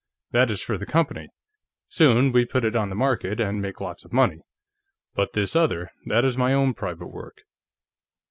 That is for the company; soon we put it on the market, and make lots of money. But this other, that is my own private work."